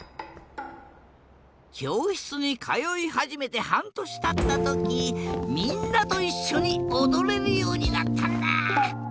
きょうしつにかよいはじめてはんとしたったときみんなといっしょにおどれるようになったんだ。